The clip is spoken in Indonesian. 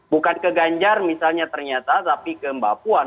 bukan ke ganjar misalnya ternyata tapi ke mbak puan